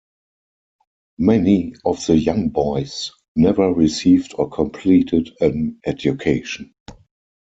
Many of the young boys never received or completed an education.